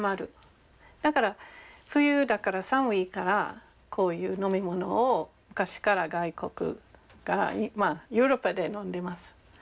だから冬だから寒いからこういう飲み物を昔から外国がヨーロッパで飲んでます。